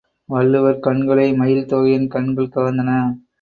வள்ளுவர் கண்களை மயில் தோகையின் கண்கள் கவர்ந்தன.